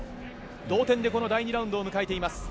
同点でこの第２ラウンドを迎えています。